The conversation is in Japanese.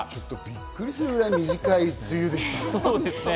びっくりするぐらい短い梅雨でしたね。